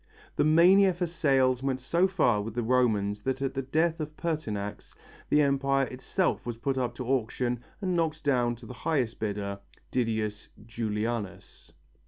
The mania for sales went so far with the Romans that at the death of Pertinax, the empire itself was put up to auction and knocked down to the highest bidder, Didius Julianus.